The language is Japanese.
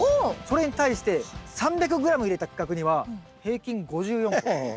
それに対して３００ｇ入れた区画には平均５４個。